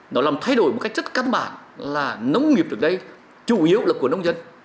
nó làm thay đổi một cách rất căn bản là nông nghiệp trước đây chủ yếu là của nông dân